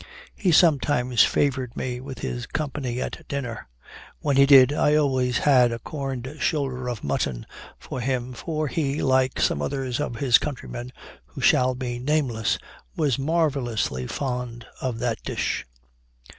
He sometimes favored me with his company at dinner; when he did, I always had a corned shoulder of mutton for him, for he, like some others of his countrymen who shall be nameless, was marvellously fond of that dish.